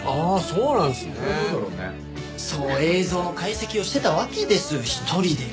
そう映像の解析をしてたわけですよ一人で。